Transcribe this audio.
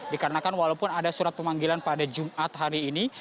dikarenakan walaupun ada surat pemanggilan pada jumat hari ini